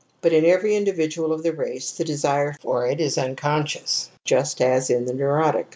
But in every individual of the race the desire for it is unconscious, just as in the neurotic.